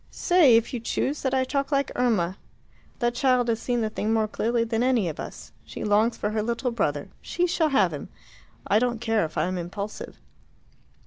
"Say, if you choose, that I talk like Irma. That child has seen the thing more clearly than any of us. She longs for her little brother. She shall have him. I don't care if I am impulsive."